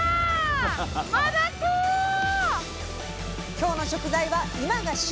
今日の食材は今が旬！